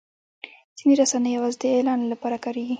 ځینې رسنۍ یوازې د اعلان لپاره کارېږي.